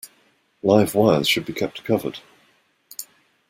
Live wires should be kept covered.